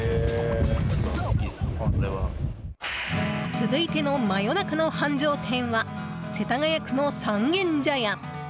続いての真夜中の繁盛店は世田谷区の三軒茶屋。